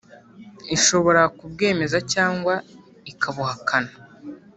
ishobora kubwemeza cyangwa ikabuhakana.